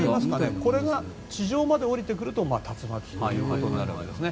これが地上まで下りてくると竜巻となるわけですね。